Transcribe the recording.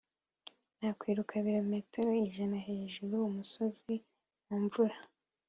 nakwiruka ibirometero ijana hejuru-umusozi mu mvura